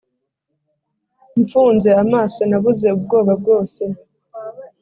mfunze amaso, nabuze ubwoba bwose.